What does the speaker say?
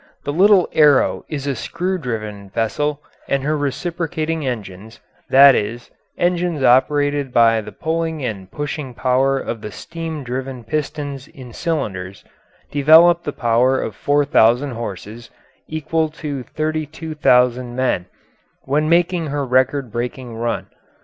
The little Arrow is a screw driven vessel, and her reciprocating engines that is, engines operated by the pulling and pushing power of the steam driven pistons in cylinders developed the power of 4,000 horses, equal to 32,000 men, when making her record breaking run.